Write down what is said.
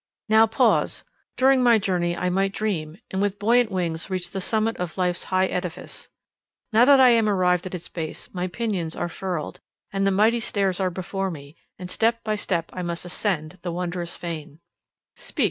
Now pause!—During my journey I might dream, and with buoyant wings reach the summit of life's high edifice. Now that I am arrived at its base, my pinions are furled, the mighty stairs are before me, and step by step I must ascend the wondrous fane— Speak!